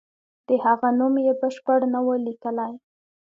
د هغه نوم یې بشپړ نه وو لیکلی.